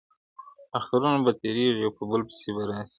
اخترونه به تیریږي یو په بل پسي به راسي.